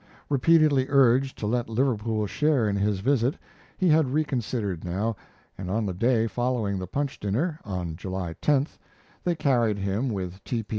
Repeatedly urged to let Liverpool share in his visit, he had reconsidered now, and on the day following the Punch dinner, on July 10th, they carried him, with T. P.